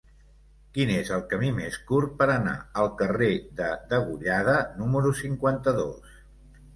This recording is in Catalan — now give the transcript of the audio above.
Quin és el camí més curt per anar al carrer de Degollada número cinquanta-dos?